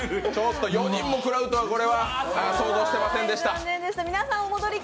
４人もくらうとは想像していませんでした。